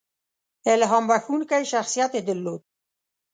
• الهام بښونکی شخصیت یې درلود.